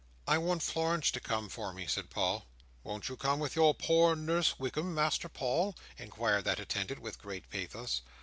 "I want Florence to come for me," said Paul. "Won't you come with your poor Nurse Wickam, Master Paul?" inquired that attendant, with great pathos.